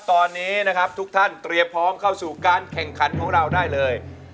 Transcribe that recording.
ตอนนี้นะครับทุกท่านเตรียมพร้อมเข้าสู่การแข่งขันของเราได้เลย